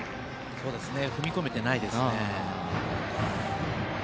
踏み込めていないですね。